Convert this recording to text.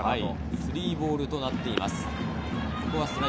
３ボールとなっています。